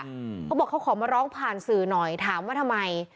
เขาบอกเขาขอมาร้องผ่านสื่อหน่อยถามว่าทำไม